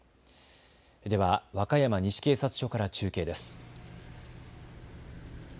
では和歌山西警察署から中継です。